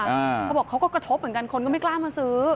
เขาบอกเขาก็กระทบเหมือนกันคนก็ไม่กล้ามาซื้อ